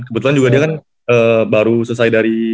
kebetulan juga dia kan baru selesai dari